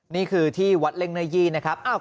นี่คือที่วัดเล่งเนื้อยี่นะครับ